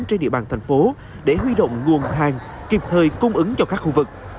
trên địa bàn thành phố để huy động nguồn hàng kịp thời cung ứng cho các khu vực